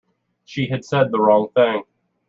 She had said the wrong thing.